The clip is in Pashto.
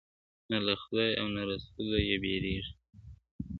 • نه له خدای او نه رسوله یې بېرېږې,